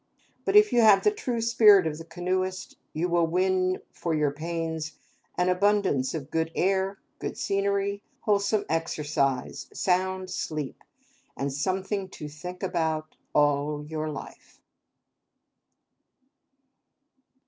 But if you have the true spirit of the canoeist, you will win for your pains an abundance of good air, good scenery, wholesome exercise, sound sleep, and something to think about all your life.